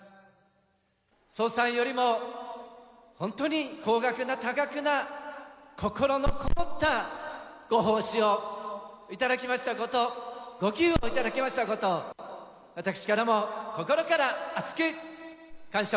総裁よりも、本当に高額な多額な、心のこもったご奉仕を頂きましたこと、ご寄付を頂きましたことを、私からも心から厚く感謝